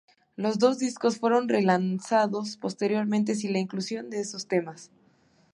Los dos discos fueron relanzados posteriormente sin la inclusión de esos temas.